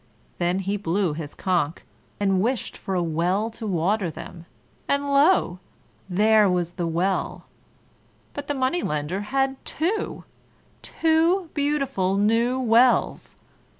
Then he blew his conch, and wished for a well to water them, and lo! there was the well, but the Money lender had two! two beautiful new wells!